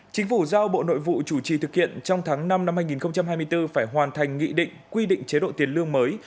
chính phủ giao bộ nội vụ chủ trì thực hiện trong tháng năm năm hai nghìn hai mươi bốn phải hoàn thành nghị định quy định chế độ tiền lương mới